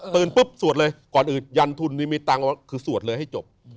ปุ๊บสวดเลยก่อนอื่นยันทุนนี่มีตังค์คือสวดเลยให้จบ